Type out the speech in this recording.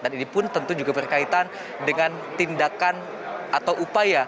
ini pun tentu juga berkaitan dengan tindakan atau upaya